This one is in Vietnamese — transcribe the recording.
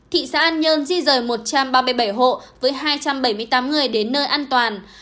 thị xã an nhơn di rời một trăm ba mươi bảy hộ với hai trăm bảy mươi tám người đến nơi an toàn